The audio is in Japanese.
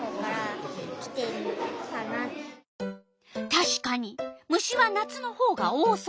たしかに虫は夏のほうが多そう。